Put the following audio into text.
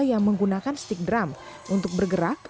yang menggunakan stick drum untuk bergerak